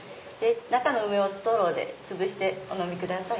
中の梅をストローでつぶしてお飲みください。